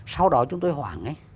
sau đó chúng tôi hoảng ấy